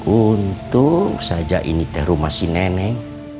untung saja ini terumasi nenek